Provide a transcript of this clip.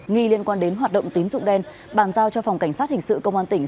nghi liên quan đến hoạt động tín dụng đen bàn giao cho phòng cảnh sát hình sự công an tỉnh